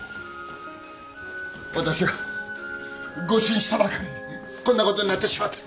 私が誤診したばかりにこんなことになってしまって。